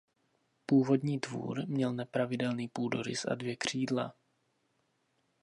Původní dvůr měl nepravidelný půdorys a dvě křídla.